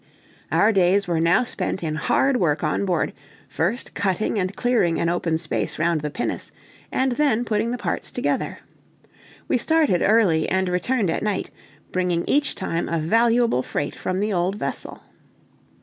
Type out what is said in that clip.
Our days were now spent in hard work on board, first cutting and clearing an open space round the pinnace, and then putting the parts together. We started early and returned at night, bringing each time a valuable freight from the old vessel.